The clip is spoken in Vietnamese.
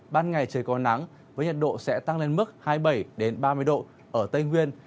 ban ngày trời có nắng với nhiệt độ sẽ tăng lên mức hai mươi bảy ba mươi độ ở tây nguyên